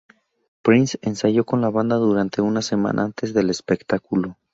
Prince ensayó con la banda durante una semana antes del espectáculo.